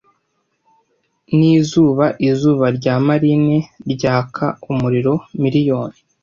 Nizuba izuba rya marine ryaka umuriro miriyoni,